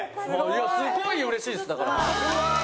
いやすごいうれしいですだから。